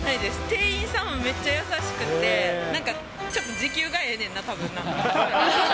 店員さんもめっちゃ優しくって、なんかちょっと時給がええねんな、たぶんな。